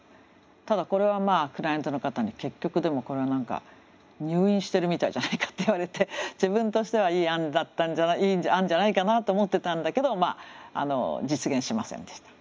ただこれはクライアントの方に結局でもこれは何か入院してるみたいじゃないかって言われて自分としてはいい案じゃないかなと思ってたんだけど実現しませんでした。